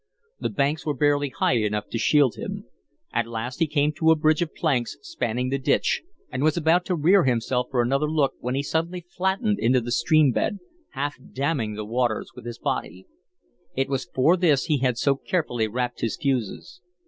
The banks were barely high enough to shield him. At last he came to a bridge of planks spanning the ditch and was about to rear himself for another look when he suddenly flattened into the stream bed, half damming the waters with his body. It was for this he had so carefully wrapped his fuses.